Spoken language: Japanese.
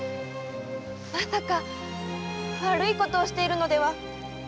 まさか悪いことをしているのでは？